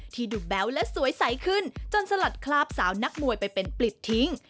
ที่ดูแบ๊วและสวยใสขึ้นจนสลัดคลาบสาวนักมวยไปเป็นปลิดทิ้ง